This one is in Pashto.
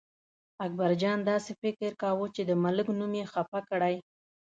اکبرجان داسې فکر کاوه چې د ملک نوم یې خپه کړی.